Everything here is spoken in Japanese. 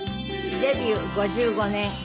デビュー５５年。